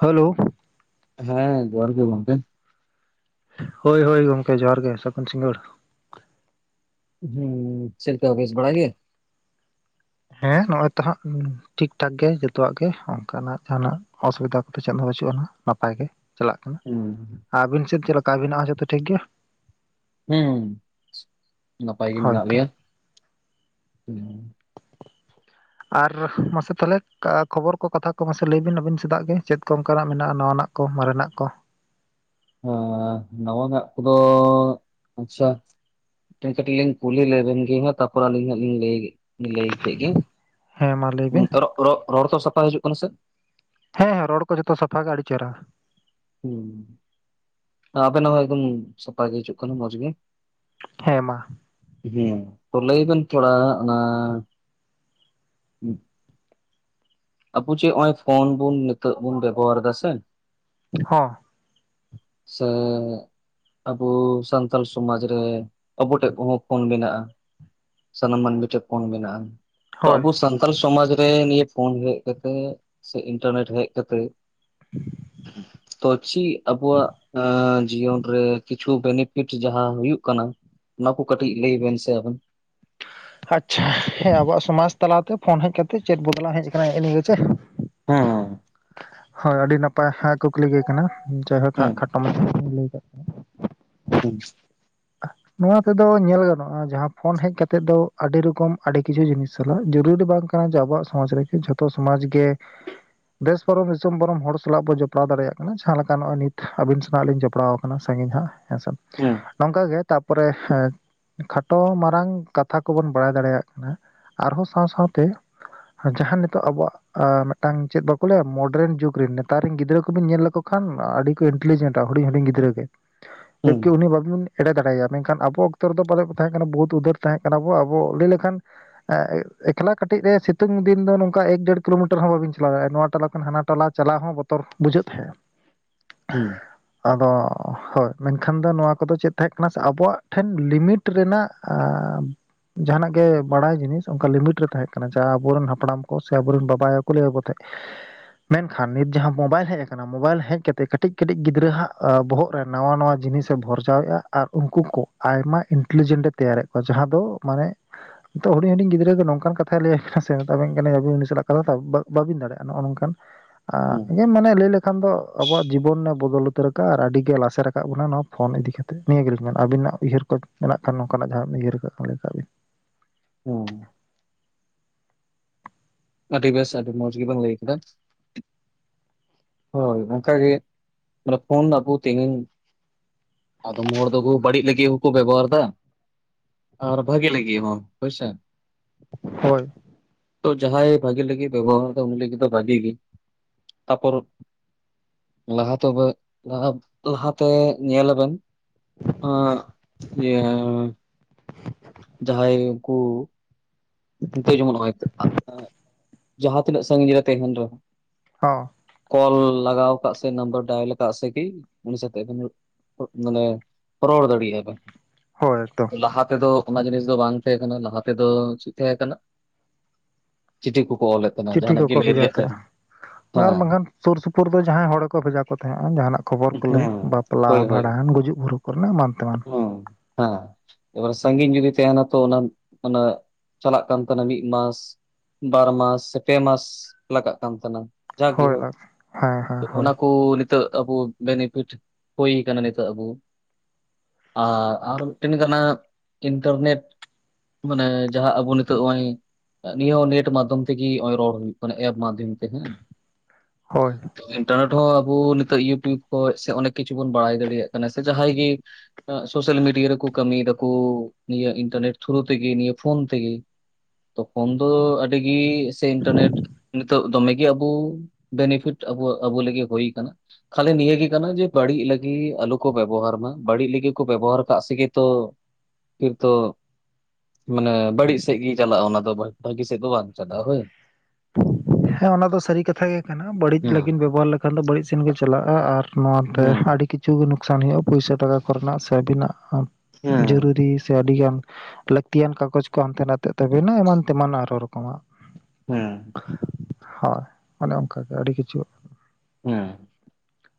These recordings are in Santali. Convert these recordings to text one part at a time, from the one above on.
ᱦᱮᱞᱳ ᱦᱮᱸ ᱡᱟᱦᱟᱨ ᱜᱮ ᱜᱚᱢᱠᱮ᱾ ᱦᱳᱭ ᱦᱳᱭ ᱜᱚᱢᱠᱮ ᱡᱚᱦᱟᱨ ᱜᱮ ᱥᱟᱹᱜᱩᱱ ᱥᱤᱝᱜᱟᱹᱲ᱾ ᱦᱩᱸ ᱪᱮᱫ ᱞᱮᱠᱟ ᱵᱮᱥ ᱵᱟᱲᱟᱜᱮ? ᱦᱮᱸ ᱱᱚᱜᱚᱭ ᱛᱚᱦᱟᱸᱜ ᱴᱷᱤᱠ ᱴᱷᱟᱠ ᱜᱮ ᱡᱚᱛᱚᱣᱟᱜ ᱜᱮ ᱚᱱᱠᱟᱱᱟᱜ ᱡᱟᱦᱱᱟᱜ ᱚᱥᱩᱵᱤᱫᱷᱟ ᱠᱚᱫᱚ ᱪᱮᱫ ᱦᱚᱸ [unintelligible] ᱱᱟᱯᱟᱭ ᱜᱮ ᱪᱟᱞᱟᱜ ᱠᱟᱱᱟ ᱦᱩᱸ ᱟᱹᱵᱤᱱ ᱥᱮᱫ ᱪᱮᱫ ᱞᱮᱠᱟ ᱟᱵᱤᱱᱟᱜ ᱡᱚᱛᱚ ᱴᱷᱤᱠ ᱜᱮᱭᱟ ᱦᱮᱸ ᱱᱟᱯᱟᱭ ᱜᱮ ᱢᱮᱱᱟᱜ ᱦᱳᱭᱛᱚ ᱞᱮᱭᱟ ᱦᱩᱸ ᱻ [inaudible] ᱟᱨ ᱢᱟᱥᱮ ᱛᱟᱦᱚᱞᱮ ᱠᱷᱚᱵᱚᱨ ᱠᱚ ᱠᱟᱛᱷᱟ ᱠᱚ ᱢᱟᱥᱮ ᱞᱟᱹᱭ ᱵᱤᱱ ᱟᱹᱵᱤᱱ ᱪᱮᱫᱟᱜ ᱜᱮ ᱪᱮᱫ ᱠᱚ ᱚᱱᱠᱟᱱᱟᱜ ᱢᱮᱱᱟᱜᱼᱟ ᱱᱟᱣᱟ ᱱᱟᱜ ᱠᱚ ᱢᱟᱨᱮᱱᱟᱜ ᱠᱚ ᱦᱮᱸ ᱱᱟᱣᱟᱱᱟᱜᱟᱜ ᱠᱚᱫᱚ ᱟᱪᱪᱷᱟ ᱠᱟᱹᱴᱤᱡ ᱞᱤᱧ ᱠᱩᱞᱤ ᱞᱮᱵᱮᱱᱜᱮ ᱦᱟᱸᱜ ᱛᱯᱚᱨ ᱟᱹᱞᱤᱧ ᱦᱟᱸᱜ ᱞᱤᱧ ᱞᱟᱹᱭ ᱞᱟᱹᱭ ᱠᱮᱫ ᱜᱤᱧ ᱦᱮᱸ ᱢᱟ ᱞᱟᱹᱭ ᱵᱤᱱ ᱨᱚᱲ ᱛᱚ ᱥᱟᱯᱷᱟ ᱦᱤᱡᱩᱜ ᱠᱟᱱᱟ ᱥᱮ? ᱦᱮᱸ ᱦᱮᱸ ᱨᱚᱲ ᱠᱚ ᱡᱚᱛᱚ ᱥᱟᱯᱷᱟ ᱜᱮ ᱟᱹᱰᱤ ᱪᱮᱦᱨᱟ᱾ ᱦᱮᱸ ᱟᱵᱮᱱᱟᱜ ᱦᱚᱸ ᱮᱠᱫᱚᱢ ᱥᱟᱯᱷᱟ ᱜᱮ ᱦᱤᱡᱩᱜ ᱠᱟᱱᱟ ᱢᱚᱸᱡᱽ ᱜᱮ᱾ ᱦᱮᱸ ᱢᱟ ᱦᱮᱸ ᱛᱚ ᱞᱟᱹᱭ ᱵᱮᱱ ᱛᱷᱚᱲᱟ ᱚᱱᱟ ᱦᱮᱸ ᱟᱵᱩ ᱪᱮᱫ ᱱᱚᱜᱼᱚᱭ ᱯᱷᱳᱱ ᱵᱚᱱ ᱱᱤᱛᱚᱜ ᱵᱚᱱ ᱵᱮᱵᱚᱦᱟᱨ ᱫᱟᱥᱮ ᱦᱚᱸ ᱥᱮ ᱟᱵᱚ ᱥᱟᱱᱛᱟᱞ ᱥᱚᱢᱟᱡᱽ ᱨᱮ ᱟᱵᱚ ᱴᱷᱮᱡ ᱠᱚᱦᱚᱸ ᱯᱷᱳᱱ ᱢᱮᱱᱟᱜᱼᱟ ᱥᱟᱱᱟᱢ ᱢᱟᱹᱱᱢᱤ ᱴᱷᱮᱱ ᱯᱳᱚᱱ ᱢᱮᱱᱟᱜᱼᱟ᱾ ᱛᱚ ᱦᱳᱭ ᱟᱵᱚ ᱥᱟᱱᱛᱟᱞ ᱥᱚᱢᱟᱡ ᱨᱮ ᱱᱤᱭᱟᱹ ᱯᱷᱳᱱ ᱦᱮᱡ ᱠᱟᱛᱮᱜ ᱥᱮ ᱤᱱᱴᱟᱨᱱᱮᱴ ᱦᱮᱡ ᱠᱟᱛᱮᱜ ᱛᱚ ᱪᱮᱫ ᱟᱵᱚᱣᱟᱜ ᱡᱤᱭᱚᱱ ᱨᱮ ᱠᱤᱪᱷᱩ ᱵᱮᱱᱤᱯᱷᱤᱴ ᱡᱟᱸᱦᱟ ᱦᱩᱭᱩᱜ ᱠᱟᱱᱟ ᱚᱱᱟ ᱠᱚ ᱠᱟᱹᱴᱤᱡ ᱞᱟᱹᱭ ᱵᱮᱱ ᱥᱮ ᱟᱵᱮᱱ ᱟᱪᱪᱷᱟ ᱦᱮᱸ ᱟᱵᱚᱣᱟᱜ ᱥᱚᱢᱟᱡ ᱛᱟᱞᱟᱛᱮ ᱯᱷᱳᱱ ᱦᱮᱡ ᱠᱟᱛᱮᱜ ᱪᱮᱫ ᱵᱚᱫᱞᱟᱣ ᱦᱮᱡ ᱟᱠᱟᱱᱟᱼ ᱥᱮ ᱪᱮ ᱦᱮᱸ ᱦᱳᱭ ᱟᱹᱰᱤ ᱱᱟᱯᱟᱭ ᱦᱟᱸᱜ ᱠᱩᱠᱞᱤ ᱜᱮ ᱠᱟᱱᱟ ᱡᱟᱭᱦᱳᱠ ᱦᱟᱸᱜ ᱦᱮᱸ ᱠᱷᱟᱴᱚ ᱢᱟᱪ ᱞᱟᱹᱭ ᱠᱟᱜ [unintelligible] ᱱᱚᱣᱟ ᱛᱮᱫᱚ ᱧᱮᱞ ᱜᱟᱱᱚᱜᱼᱟ ᱡᱟᱦᱟᱸ ᱯᱷᱳᱱ ᱦᱮᱡ ᱠᱟᱛᱮᱜ ᱫᱚ ᱟᱹᱰᱤ ᱨᱚᱠᱚᱢ ᱟᱹᱰᱤ ᱠᱤᱪᱷᱩ ᱡᱤᱱᱤᱥ ᱪᱟᱞᱟᱜ ᱨᱩ ᱫᱚ ᱵᱟᱝ ᱠᱟᱱᱟ ᱡᱮ ᱟᱵᱚᱣᱟᱜ ᱥᱚᱢᱟᱡ ᱨᱮᱜᱮ ᱡᱷᱚᱛᱚ ᱥᱚᱢᱟᱡ ᱜᱮ ᱵᱮᱥ ᱯᱟᱨᱚᱢ ᱫᱤᱥᱚᱢ ᱵᱚᱨᱚᱢ ᱦᱚᱲ ᱥᱟᱞᱟᱜ ᱵᱚᱱ ᱡᱚᱯᱲᱟᱣ ᱫᱟᱲᱮᱭᱟᱜ ᱠᱟᱱᱟ ᱡᱟᱦᱟᱸ ᱞᱮᱠᱟ ᱱᱚᱜᱼᱚᱭ ᱱᱤᱛ ᱦᱟᱹᱵᱤᱡ ᱟᱹᱵᱤᱱ ᱥᱟᱞᱱᱟᱜ ᱞᱤᱧ ᱡᱚᱯᱲᱟᱣ ᱟᱠᱟᱱᱟ ᱥᱟᱺᱜᱤᱧ ᱦᱟᱸᱜ ᱦᱮᱸ ᱥᱮ ᱦᱩᱸ ᱱᱚᱝᱠ ᱜᱮ ᱛᱟᱨᱯᱚᱨᱮ ᱠᱷᱟᱴᱚ ᱢᱟᱨᱟᱝ ᱠᱟᱛᱷᱟ ᱠᱚᱵᱚᱱ ᱵᱟᱲᱟᱭ ᱫᱟᱲᱮᱭᱟᱜ ᱠᱟᱱᱟ ᱟᱨᱦᱚᱸ ᱥᱟᱶ ᱥᱟᱶᱛᱮ ᱡᱟᱦᱟᱸ ᱱᱤᱛᱚᱜ ᱟᱵᱚᱣᱟᱜ ᱢᱤᱫᱴᱟᱝ ᱪᱮᱫ ᱵᱟᱠᱚ ᱞᱟᱹᱭᱟ ᱢᱚᱰᱼᱼ ᱱᱮᱛᱟᱨ ᱨᱮᱱ ᱡᱩᱜᱽ ᱨᱮᱱ ᱱᱮᱛᱟᱨ ᱨᱮᱱ ᱜᱤᱫᱽᱨᱟᱹ ᱠᱚᱵᱤᱱ ᱧᱮᱞ ᱞᱮᱠᱚ ᱠᱷᱟᱱ ᱟᱹᱰᱤ ᱠᱚ ᱤᱱᱴᱮᱞᱤᱡᱮᱱᱴᱼᱟ ᱦᱩᱰᱤᱧ ᱦᱩᱰᱤᱧ ᱜᱤᱫᱽᱨᱟᱹ ᱜᱮ᱾ ᱦᱩᱸ [unintelligible] ᱮᱲᱮ ᱫᱟᱲᱮᱭᱟ ᱢᱮᱱᱠᱷᱟᱱ ᱟᱵᱚ ᱚᱠᱛᱚ ᱨᱮᱫᱚ ᱵᱟᱞᱮ ᱛᱟᱦᱮᱸ ᱠᱟᱱᱟ ᱵᱚᱦᱩᱛ ᱩᱫᱷᱟᱹᱨ ᱛᱟᱦᱮᱸ ᱠᱟᱱᱟ ᱵᱚ ᱟᱵᱚ ᱞᱟᱹᱭ ᱞᱮᱠᱷᱟᱱ ᱮᱠᱞᱟ ᱠᱟᱹᱴᱤᱡ ᱨᱮ ᱥᱤᱛᱩᱝ ᱫᱤᱱ ᱫᱚ ᱱᱚᱝᱠᱟ ᱮᱠ ᱰᱮᱲ ᱠᱤᱞᱳᱢᱤᱴᱟᱨ ᱦᱚᱸ ᱵᱟᱵᱤᱱ ᱪᱟᱞᱟᱣ ᱫᱟᱲᱮᱭᱟᱜᱼᱟ ᱱᱚᱣᱟ ᱴᱟᱞᱟ ᱠᱷᱚᱱ ᱦᱟᱱᱟ ᱴᱚᱞᱟ ᱪᱟᱞᱟᱣ ᱦᱚᱸ ᱵᱚᱛᱚᱨ ᱵᱩᱡᱷᱟᱹᱜ ᱛᱟᱦᱮᱸᱜᱼᱟ᱾ ᱦᱮᱸ ᱟᱫᱚ ᱦᱳᱭ ᱢᱮᱱᱠᱷᱟᱱ ᱫᱚ ᱱᱚᱣᱟ ᱠᱚᱫᱚ ᱪᱮᱫ ᱛᱟᱦᱮᱸ ᱠᱟᱱᱟ ᱥᱮ ᱟᱵᱚᱣᱟᱜ ᱴᱷᱮᱱ ᱞᱤᱢᱤᱴ ᱨᱮᱱᱟᱜ ᱡᱟᱦᱟᱸᱱᱟᱜ ᱜᱮ ᱵᱟᱲᱟᱭ ᱡᱤᱱᱤᱥ ᱚᱱᱠᱟ ᱞᱤᱢᱤᱴ ᱨᱮ ᱛᱟᱦᱮᱸ ᱠᱟᱱᱟ ᱡᱟᱦᱟᱸ ᱟᱵᱚᱨᱮᱱ ᱦᱟᱯᱲᱟᱢ ᱠᱚ ᱥᱮ ᱟᱵᱚᱨᱮᱱ ᱵᱟᱵᱟᱭᱠᱚ ᱞᱟᱹᱭ ᱠᱚ ᱛᱟᱦᱮᱸᱫ [unintelligible] ᱢᱮᱱᱠᱷᱟᱱ ᱱᱤᱛ ᱡᱟᱦᱟᱸ ᱢᱳᱚᱵᱟᱭᱤᱞ ᱦᱮᱡ ᱟᱠᱟᱱᱟ ᱢᱳᱚᱵᱟᱭᱤᱞ ᱦᱮᱡ ᱠᱟᱛᱮᱜ ᱠᱟᱹᱴᱤᱡ ᱠᱟᱹᱴᱤᱡ ᱜᱤᱫᱽᱨᱟᱹ ᱦᱟᱸᱜ ᱵᱚᱦᱚᱜ ᱨᱮ ᱱᱟᱣᱟ ᱱᱟᱣᱟ ᱡᱤᱱᱤᱥ ᱥᱮ ᱵᱷᱚᱨᱡᱟᱣᱮᱫᱼᱟ ᱟᱨ ᱩᱱᱠᱩ ᱠᱚ ᱟᱭᱢᱟ ᱤᱱᱴᱮᱞᱤᱡᱮᱱᱴ ᱮ ᱛᱮᱭᱟᱨᱮᱫ ᱠᱚᱣᱟ ᱡᱟᱦᱟᱸ ᱫᱚ ᱢᱟᱱᱮ ᱱᱤᱛᱚᱜ ᱦᱩᱰᱤᱧ ᱦᱩᱰᱤᱧ ᱜᱤᱫᱽᱨᱟᱹ ᱱᱚᱝᱠᱟᱱ ᱠᱟᱛᱷ ᱞᱟᱹᱭ ᱟᱵᱤᱱᱟᱭ ᱥᱮ ᱢᱮᱛᱟᱵᱮᱱ ᱠᱟᱱᱤᱧ ᱟᱵᱤᱱ ᱩᱱᱤ ᱥᱟᱟᱜ ᱠᱟᱛᱷᱟ ᱵᱟᱟᱹᱵᱤᱱ ᱫᱟᱲᱮᱭᱟᱜ ᱱᱚᱼᱚᱝᱠᱟᱱ ᱦᱮᱸ ᱟᱨ ᱢᱟᱱᱮ ᱞᱟᱹᱭ ᱞᱮᱫ ᱠᱷᱟᱱ ᱫᱚ ᱟᱵᱚᱣᱟᱜ ᱡᱤᱵᱚᱱ ᱮ ᱵᱚᱫᱚᱞ ᱩᱛᱟᱹᱨ ᱠᱟᱜ ᱟᱨ ᱟᱹᱰᱤ ᱜᱮ ᱞᱟᱥᱮᱨ ᱠᱟᱫ ᱵᱚᱱᱟ ᱱᱚᱶᱟ ᱯᱷᱳᱱ ᱤᱫᱤ ᱠᱟᱛᱮ ᱱᱤᱭᱟᱹ ᱜᱮᱞᱤᱧ ᱢᱮᱱᱟᱜ ᱟᱵᱤᱱ ᱩᱭᱦᱟᱹᱨ ᱠᱚ ᱢᱮᱱᱟᱜ ᱠᱷᱟᱱ ᱱᱚᱝᱠᱟᱱᱟᱜ ᱡᱟᱦᱟᱸ ᱵᱤᱱ ᱩᱭᱦᱟᱹᱨ ᱠᱷᱟᱜ ᱠᱷᱟᱜ ᱵᱤᱱ ᱦᱮᱸ ᱟᱹᱰᱤ ᱵᱮᱥ ᱟᱹᱰᱤ ᱢᱚᱸᱡᱽ ᱜᱮᱵᱚᱱ ᱞᱟᱹᱭ ᱠᱮᱫᱟ ᱦᱳᱭ ᱚᱱᱠᱟᱜᱮ ᱢᱟᱱᱮ ᱯᱷᱳᱱ ᱟᱵᱚ ᱛᱤᱱᱤᱝ ᱟᱫᱚᱢ ᱦᱚᱲ ᱫᱚᱠᱚ ᱵᱟᱹᱲᱤᱡ ᱞᱟᱹᱜᱤᱫ ᱜᱮᱠᱚ ᱵᱮᱵᱚᱦᱟᱨᱮᱫᱟ ᱟᱨ ᱵᱷᱟᱜᱤ ᱞᱟᱹᱜᱤᱫ ᱦᱚᱸ ᱦᱳᱭ ᱥᱮ ᱦᱳᱭ ᱡᱟᱦᱟᱸᱭᱟᱭ ᱵᱷᱟᱜᱤ ᱞᱟᱹᱜᱤᱫ ᱵᱮᱵᱚᱦᱟᱨᱟ ᱫᱟᱭ ᱩᱱᱤ ᱞᱟᱹᱜᱤᱫ ᱫᱚ ᱵᱷᱟᱜᱤ ᱜᱮ ᱛᱟᱨᱯᱚᱨ ᱞᱟᱦᱟ ᱛᱚᱵᱮ ᱞᱟᱦᱟᱛᱮ ᱧᱮᱞ ᱵᱮᱱ ᱦᱮᱸ ᱠᱩ ᱱᱤᱛᱚᱜ ᱡᱮᱢᱚᱱ ᱦᱚᱭ ᱛᱚ ᱡᱟᱦᱟᱸ ᱛᱤᱱᱟᱹᱜ ᱥᱟᱺᱜᱤᱧ ᱨᱮ ᱛᱟᱦᱮᱱ ᱨᱮ ᱦᱚᱸ ᱠᱚᱞ ᱞᱟᱜᱟᱣ ᱟᱠᱟᱫ ᱥᱮ ᱱᱟᱢᱵᱟᱨ ᱰᱟᱭᱮᱞ ᱟᱠᱟᱫ ᱥᱮ ᱜᱤ ᱩᱱᱤ ᱥᱟᱛᱮᱜ ᱢᱟᱱᱮ ᱨᱚᱲ ᱫᱟᱲᱮᱭᱟᱜ ᱵᱮᱱ ᱦᱳᱭ ᱮᱠᱫᱚᱢ ᱞᱟᱦᱟ ᱛᱮᱫᱚ ᱚᱱᱟ ᱡᱤᱱᱤᱥ ᱫᱚ ᱵᱟᱝ ᱛᱟᱦᱮᱸᱠᱟᱱᱟ ᱞᱟᱦᱟ ᱛᱮᱫᱚ ᱪᱮᱫ ᱛᱟᱦᱮᱸ ᱠᱟᱱᱟ ᱪᱤᱴᱷᱤ ᱠᱚᱠᱚ ᱚᱞᱮᱫ ᱛᱟᱦᱮᱱᱟ ᱪᱤᱴᱷᱤ ᱡᱟᱦᱱᱟᱜ ᱜᱮ ᱠᱚᱠᱚ ᱞᱟᱹᱭ ᱵᱷᱮᱡᱟ ᱨᱮᱭᱟᱜ ᱛᱟᱦᱮᱸᱜ ᱛᱟᱦᱮᱸᱱᱟ ᱟᱨ ᱵᱟᱝᱠᱷᱟᱱ ᱥᱩᱨ ᱥᱩᱯᱩᱨ ᱫᱚ ᱡᱟᱦᱟᱸᱭ ᱦᱚᱲ ᱠᱚ ᱵᱷᱮᱡᱟ ᱠᱚ ᱛᱟᱦᱮᱸᱫᱼᱟ ᱡᱟᱦᱟᱱᱟᱜ ᱠᱷᱚᱵᱚᱨ ᱦᱮᱸ ᱠᱚ ᱞᱟᱹᱭ ᱦᱮᱸ ᱵᱟᱯᱞᱟ ᱦᱳᱭ ᱦᱳᱭ ᱵᱷᱟᱸᱰᱟᱱ ᱜᱩᱡᱩᱜ ᱵᱩᱨᱩ ᱠᱚᱨᱮᱱᱟᱜ ᱮᱢᱟᱱ ᱛᱮᱢᱟᱱ ᱮᱵᱟᱨᱮ ᱥᱟᱺᱜᱤᱧ ᱡᱩᱫᱤ ᱛᱟᱦᱮᱱᱟ ᱛᱚ ᱚᱱᱟ ᱪᱟᱞᱟᱜ ᱠᱟᱱ ᱛᱟᱦᱮᱱᱟ ᱢᱤᱫ ᱢᱟᱥ ᱵᱟᱨ ᱢᱟᱥ ᱯᱮ ᱢᱟᱥ ᱞᱟᱜᱟᱜ ᱠᱟᱱ ᱛᱟᱦᱮᱱᱟ ᱡᱟᱜᱮ ᱦᱳᱭ ᱞᱟ ᱦᱮᱸ ᱦᱮᱸ ᱦᱳᱠᱚ ᱦᱳᱭ ᱚᱱᱟ ᱠᱚ ᱱᱤᱛᱚᱜ ᱟᱵᱚ ᱵᱮᱱᱤᱯᱩᱫ ᱦᱩᱭ ᱟᱠᱟᱱᱟ ᱱᱤᱛᱚᱜ ᱟᱵᱚ ᱟᱨ ᱟᱨ ᱢᱤᱫ ᱴᱮᱱ ᱠᱟᱱᱟ ᱤᱱᱴᱟ. ᱨᱱᱮᱴ ᱢᱟᱱᱮ ᱡᱟᱦᱟᱸ ᱟᱵᱚ ᱱᱤᱛᱚᱜ ᱱᱚᱜᱼᱚᱭ ᱱᱤᱭᱟᱹ ᱦᱚᱸ ᱱᱮᱴ ᱢᱟᱫᱷᱚᱢ ᱛᱮᱜᱮ ᱱᱚᱜᱼᱚᱭ ᱨᱚᱲ ᱦᱩᱭᱩᱜ ᱠᱟᱱᱟ ᱮᱯ ᱢᱟᱫᱽᱭᱚᱢ ᱛᱮ ᱦᱟᱸᱜ ᱦᱳᱭ ᱤᱱᱴᱟ. ᱨᱱᱮᱴ ᱟᱵᱚ ᱱᱤᱛ ᱤᱭᱩᱴᱩᱵ ᱠᱷᱚᱱ ᱥᱮ ᱚᱱᱮᱠ ᱠᱤᱪᱷᱩ ᱵᱚᱱ ᱵᱟᱲᱟᱭ ᱫᱟᱲᱮᱭᱟᱜ ᱠᱟᱱᱟ ᱥᱮ ᱡᱟᱦᱟᱸᱭ ᱜᱮ ᱥᱳᱥᱟᱞ ᱢᱤᱰᱤᱭ ᱜᱟᱹᱴᱭᱟᱹ ᱨᱮᱠᱚ ᱠᱟᱹᱢᱤᱭ ᱫᱟᱠᱚ ᱱᱤᱭᱟᱹ ᱤᱱᱴᱟ. ᱨᱱᱮᱴ ᱛᱷᱩᱨᱩ ᱛᱮᱜᱮ ᱱᱤᱭᱟᱹ ᱯᱷᱳᱱ ᱛᱮᱜᱮ ᱛᱚᱠᱷᱳᱱ ᱫᱚ ᱟᱹᱰᱤ ᱜᱤ ᱥᱮ ᱤᱱᱴᱟ. ᱨᱱᱮᱴ ᱱᱤᱛᱚᱜ ᱫᱚᱢᱮᱜᱮ ᱟᱵᱚ ᱵᱮᱱᱤᱯᱷᱤᱴ ᱟᱵᱚ ᱞᱟᱹᱜᱤᱫ ᱦᱩᱭ ᱟᱠᱟᱱᱟ ᱠᱷᱟᱞᱤ ᱱᱤᱭᱟᱹ ᱜᱮ ᱠᱟᱱᱟ ᱡᱮ ᱵᱟᱹᱲᱤᱡ ᱞᱟᱹᱜᱤᱫ ᱟᱞᱚ ᱠᱚ ᱵᱮᱵᱚᱦᱟᱨ ᱢᱟ ᱵᱟᱹᱲᱤᱡ ᱞᱟᱹᱜᱤᱫ ᱜᱮᱠᱚ ᱵᱮᱵᱚᱦᱟᱨ ᱠᱟᱜ ᱥᱮ ᱜᱮᱛᱚ ᱠᱤᱱᱛᱩᱚ ᱢᱟᱱᱮ ᱵᱟᱹᱲᱤᱡ ᱥᱡ ᱜᱮᱭ ᱪᱟᱞᱟᱜᱼᱟ ᱚᱱᱟ ᱫᱚ ᱵᱷᱟᱜᱤ ᱥᱮᱫ ᱫᱚ ᱵᱟᱝ ᱪᱟᱞᱟᱜᱼᱟ ᱦᱚᱭ ᱦᱮᱸ ᱚᱱᱟ ᱫᱚ ᱥᱟᱹᱨᱤ ᱠᱟᱛᱷᱟ ᱜᱮ ᱠᱟᱱᱟ ᱵᱟᱹᱲᱤᱡ ᱞᱟᱹᱜᱤᱫ ᱦᱮᱸ ᱵᱮᱵᱚᱦᱟᱨ ᱞᱮᱠᱷᱟᱱ ᱫᱚ ᱵᱟᱹᱲᱤᱡ ᱥᱮᱱ ᱜᱮ ᱪᱟᱞᱟᱜᱼᱟ ᱟᱨ ᱱᱚᱶᱟ ᱛᱮ ᱦᱮᱸ ᱟᱹᱰᱤ ᱠᱤᱪᱷᱩᱜ ᱜᱮ ᱱᱩᱠᱥᱟᱱ ᱦᱩᱭᱩᱜᱼᱟ ᱯᱩᱭᱥᱟᱹ ᱴᱟᱠᱟ ᱠᱚᱨᱮᱱᱟᱜ ᱥᱮ ᱟᱹᱵᱤᱱᱟᱜ ᱡᱟ. ᱦᱮᱸ ᱨᱩᱨᱤ ᱥᱮᱛ ᱟᱹᱰᱤᱜᱟᱱ ᱞᱟᱹᱠᱛᱤᱭᱟᱱ ᱠᱟᱜᱚᱡᱽ ᱠᱚ ᱦᱟᱱᱛᱮ ᱱᱟᱛᱮᱜ ᱛᱟᱵᱮᱱᱟ ᱮᱢᱟᱱ ᱛᱮᱢᱟᱱ ᱟᱨᱚ ᱨᱚᱠᱚᱢᱟᱜ ᱦᱮᱸ ᱦᱳᱭ ᱚᱱᱮ ᱚᱱᱠᱟᱜᱮ ᱟᱹᱰᱤ ᱠᱤᱪᱷᱩ ᱦᱮᱸ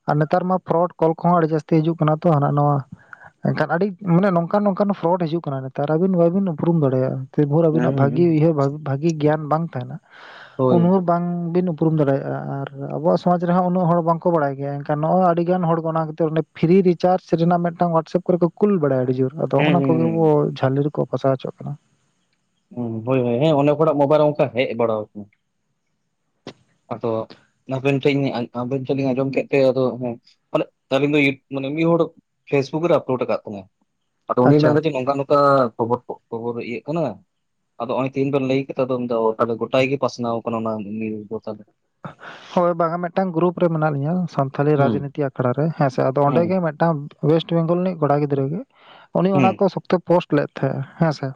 ᱟᱨ ᱱᱮᱛᱟᱨ ᱢᱟ ᱯᱷᱨᱚᱰ ᱠᱚᱞ ᱠᱚᱦᱚᱸ ᱟᱹᱰᱤ ᱡᱟᱹᱥᱛᱤ ᱦᱤᱡᱩᱜ ᱠᱟᱱᱟ ᱛᱚ ᱦᱟᱱᱟ ᱱᱷᱚᱶᱟ ᱮᱱᱠᱷᱟᱱ ᱟᱹᱰᱤ ᱢᱟᱱᱮ ᱱᱚᱝᱠᱟᱱ ᱱᱚᱝᱠᱟᱱ ᱯᱷᱚᱨᱚᱰ ᱦᱤᱡᱩᱜ ᱠᱟᱱᱟ ᱱᱮᱛᱟᱨ ᱟᱹᱵᱤᱱ ᱵᱟᱵᱤᱱ ᱩᱯᱨᱩᱢ ᱫᱟᱲᱮᱭᱟᱜᱼᱟ ᱛᱤᱱ ᱵᱷᱳᱨ ᱟᱵᱤᱱᱟᱜ ᱦᱮᱸ ᱵᱷᱟᱜᱤ ᱦᱮᱸ ᱩᱭᱦᱟᱹᱨ ᱵᱷᱟᱜᱤ ᱜᱮᱭᱟᱱ ᱵᱟᱝ ᱛᱟᱦᱮᱸᱱᱟ ᱦᱳᱭ ᱩᱱ ᱦᱚᱸ ᱵᱟᱝ ᱵᱤᱱ ᱩᱯᱨᱩᱢ ᱫᱟᱲᱮᱭᱟᱜᱼᱟ ᱟᱨ ᱟᱵᱚᱣᱟᱜ ᱥᱚᱢᱡᱽ ᱨᱮᱦᱚᱸ ᱩᱱᱟᱹᱜ ᱦᱚᱲ ᱵᱟᱝᱠᱚ ᱵᱟᱲᱟᱭ ᱜᱮᱭᱟ ᱮᱱᱠᱷᱟᱱ ᱱᱚᱜᱼᱚ ᱟᱹᱰᱤᱜᱟᱱ ᱦᱚᱲ ᱚᱱᱟᱛ ᱯᱷᱤᱨᱤ ᱨᱤᱪᱟᱨᱡᱽ ᱨᱮᱱᱟᱜ ᱢᱤᱫ ᱴᱟᱝ ᱦᱚᱣᱟᱴᱥᱮᱯ ᱠᱚᱨᱮ ᱠᱚ ᱠᱩᱞ ᱵᱟᱲᱟᱭᱟᱫᱟ ᱟᱹᱰᱤ ᱡᱳᱨ ᱟᱫᱚ ᱦᱮᱸ ᱚᱱᱟ ᱠᱚᱜᱮ ᱟ ᱡᱷᱟᱹᱞᱤ ᱨᱮᱠᱚ ᱯᱟᱥᱟᱣ ᱦᱚᱪᱚᱜ ᱠᱟᱱᱟ ᱦᱮᱸ ᱦᱳᱭ ᱦᱳᱭ ᱦᱮᱸ ᱚᱱᱰᱮ ᱠᱷᱚᱟᱜ ᱢᱳᱵᱟᱭᱤᱞ ᱚᱱᱠᱟ ᱦᱮᱡ ᱵᱟᱲᱟ ᱣᱟᱠᱟᱱ ᱟᱫᱚ ᱟᱵᱮᱱ ᱴᱮᱫ ᱟᱵᱮᱱ ᱴᱮᱱ ᱞᱤᱧ ᱟᱸᱡᱚᱢ ᱠᱮᱫ ᱛᱮ ᱟᱫᱚᱮ ᱟᱹᱞᱤᱧ ᱫᱚ ᱢᱟᱱᱮ ᱢᱤᱫ ᱦᱚᱲ ᱯᱷᱮᱥᱵᱩᱠ ᱨᱮ ᱟᱯᱞᱳᱰᱛ ᱢᱮ ᱟᱨ ᱟᱫᱚ ᱩᱱᱤ ᱟᱪᱪᱷᱟ ᱢᱮᱱᱫᱟ ᱠᱷᱚᱵᱚᱨ ᱠᱷᱚᱵᱚᱨ ᱤᱭᱟᱹᱜ ᱠᱟᱱᱟ ᱟᱫᱚ ᱱᱚᱜᱼᱚᱭ ᱛᱮᱦᱮᱧ ᱵᱮᱱ ᱞᱟᱹᱭ ᱠᱮᱫ ᱜᱚᱴᱟ ᱜᱮ ᱯᱟᱥᱱᱟᱣ ᱟᱠᱟᱱᱟ ᱚᱱᱟ ᱡᱤᱡ ᱫᱚ ᱛᱟᱦᱚᱞᱮ ᱦᱚᱭ ᱵᱟᱝᱟᱦᱟ ᱢᱮ ᱴᱟᱝ ᱜᱩᱨᱩᱯ ᱨᱮ ᱢᱱᱟᱞᱤᱭᱟ ᱥᱟᱱᱛᱷᱟᱤ ᱦᱩᱸ ᱨᱟᱡᱽᱱᱤᱛᱤ ᱟᱠᱷᱲᱟ ᱨᱮ ᱦᱮᱸᱥ ᱟᱫᱚ ᱚᱸᱰᱮ ᱦᱩᱸ ᱜᱮ ᱢᱤᱫᱴᱟᱝ ᱚᱭᱮᱥᱴ ᱵᱮᱝᱜᱚᱞ ᱨᱤᱱᱤᱡ ᱠᱚᱲᱟ ᱜᱤᱫᱽᱨᱟᱹ ᱜᱮ ᱩᱱᱤ ᱦᱩᱸ ᱚᱱᱟ ᱠᱚ ᱥᱚᱠᱛᱚᱭ ᱯᱳᱥᱴ ᱞᱮᱫ ᱛᱟᱦᱮᱸᱱᱟ ᱦᱮᱸᱥᱮ